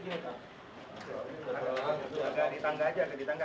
tak ada musik